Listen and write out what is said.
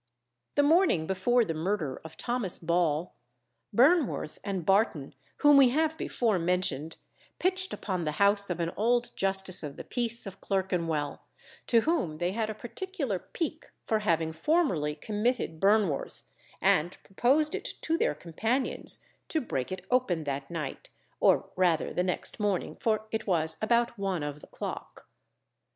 The morning before the murder of Thomas Ball, Burnworth, and Barton, whom we have before mentioned, pitched upon the house of an old Justice of the Peace of Clerkenwell, to whom they had a particular pique for having formerly committed Burnworth, and proposed it to their companions to break it open that night, or rather the next morning (for it was about one of the clock).